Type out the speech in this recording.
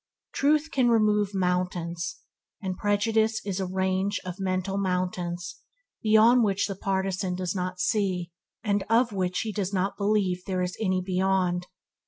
Truth can "remove mountains", and prejudice is a range of mental mountains beyond which the partisan does not see, and of which he does not believe there is any beyond.